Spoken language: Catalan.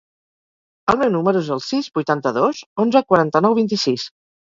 El meu número es el sis, vuitanta-dos, onze, quaranta-nou, vint-i-sis.